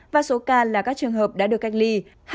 và số ca là các trường hợp đã được cách ly hai ba trăm hai mươi bảy